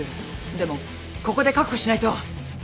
でもここで確保しないと。